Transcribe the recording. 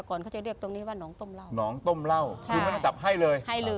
คือมันน่าจะหยับให้เลย